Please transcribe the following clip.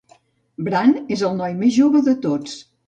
Bran és el noi més jove de tots.